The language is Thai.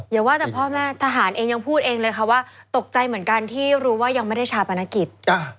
อย่าว่าแต่พ่อแม่ทหารเองยังพูดเองเลยค่ะว่าตกใจเหมือนกันที่รู้ว่ายังไม่ได้ชาปนกิจ